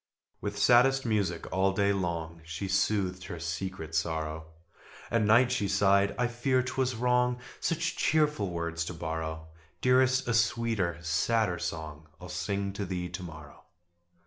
With saddest music all day long She soothed her secret sorrow: At night she sighed "I fear 'twas wrong Such cheerful words to borrow. Dearest, a sweeter, sadder song I'll sing to thee to morrow."